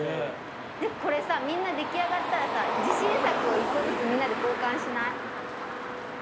これさみんな出来上がったらさ自信作を１個ずつみんなで交換しない？